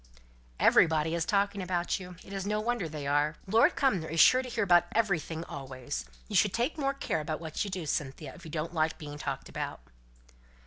"Everybody is talking about you; it is no wonder they are. Lord Cumnor is sure to hear about everything always. You should take more care about what you do, Cynthia, if you don't like being talked about."